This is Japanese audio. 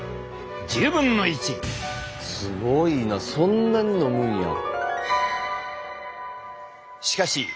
すごいなそんなに飲むんや。